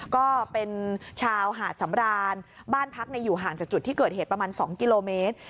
ก็เป็นชาวหาดสำรานบ้านพักอยู่ห่างจากจุดที่เกิดเหตุประมาณ๒กิโลเมตร